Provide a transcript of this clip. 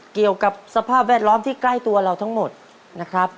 เกี่ยวกับสภาพแวดล้อมที่ใกล้ตัวเราทั้งหมดนะครับ